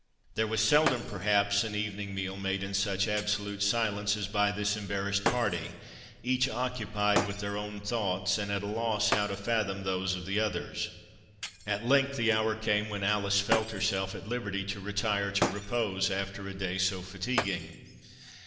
There was seldom, perhaps, an evening meal made in such absolute silence as by this embarrassed party, each occupied with their own thoughts, and at a loss how to fathom those of the others. At length the hour came when Alice felt herself at liberty to retire to repose after a day so fatiguing.